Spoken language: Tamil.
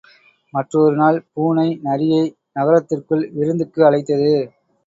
மற்றொருநாள் பூனை நரியை நகரத்திற்குள் விருந்துக்கு அழைத்தது.